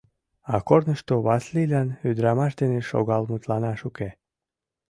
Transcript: А корнышто Васлийлан ӱдырамаш дене шогал мутланаш уке.